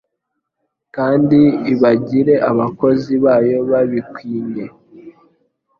kandi ibagire abakozi bayo babikwinye.